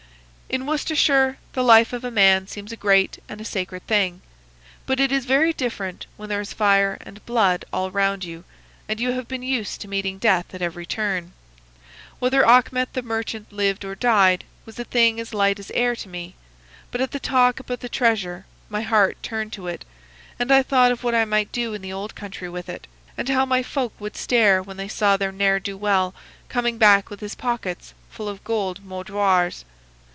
"In Worcestershire the life of a man seems a great and a sacred thing; but it is very different when there is fire and blood all round you and you have been used to meeting death at every turn. Whether Achmet the merchant lived or died was a thing as light as air to me, but at the talk about the treasure my heart turned to it, and I thought of what I might do in the old country with it, and how my folk would stare when they saw their ne'er do well coming back with his pockets full of gold moidores.